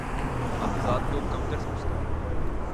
اپنی ذات کو کم تر سمجھتا ہوں